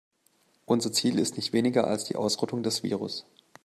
Unser Ziel ist nicht weniger als die Ausrottung des Virus.